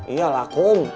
iya lah kum